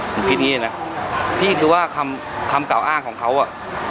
ผมคิดอย่างนี้นะพี่คือว่าคำคำกล่าวอ้างของเขาอ่ะ